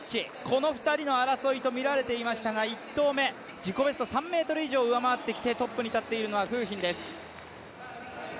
この２人の争いとみられていましたが１投目、自己ベスト３ｍ以上上回ってきてトップに立っているのが馮彬です。